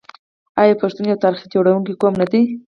آیا پښتون یو تاریخ جوړونکی قوم نه دی؟